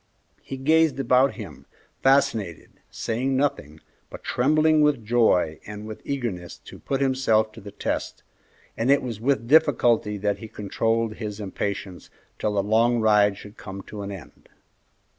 He gazed about him, fascinated, saying nothing, but trembling with joy and with eagerness to put himself to the test, and it was with difficulty that he controlled his impatience till the long ride should come to an end.